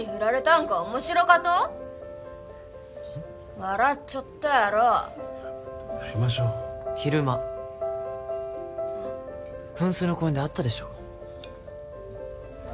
笑っちょったやろやめましょう昼間うん？噴水の公園で会ったでしょああ？